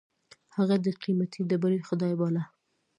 هغه د قېمتي ډبرې خدای باله.